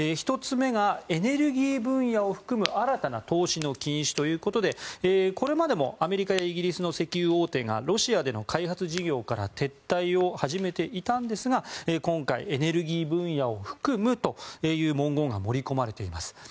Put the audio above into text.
１つ目がエネルギー分野を含む新たな投資の禁止ということでこれまでもアメリカやイギリスの石油大手がロシアでの開発事業から撤退を始めていたんですが今回、エネルギー分野を含むという文言が盛り込まれています。